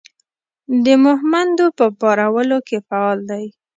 د مهمندو په پارولو کې فعال دی.